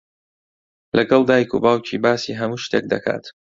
لەگەڵ دایک و باوکی باسی هەموو شتێک دەکات.